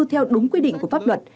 theo đúng quy định của pháp luật